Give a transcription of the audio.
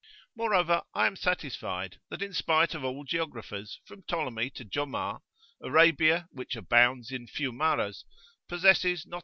Moreover, I am satisfied, that in spite of all geographers, from Ptolemy to Jomard, Arabia, which abounds in fiumaras,[FN#3] possesses not [p.